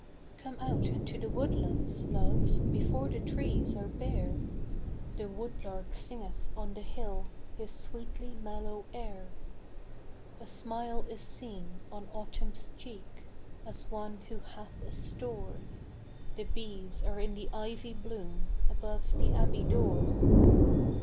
COME out into the woodlands, love, Before the trees are bare ; The woodlark singeth on the hill His sweetly mellow air. A smile is seen on Autumn's cheek, As one who hath a store ; The bees are in the ivy bloom, Above the abbey door.